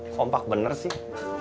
kompak bener sih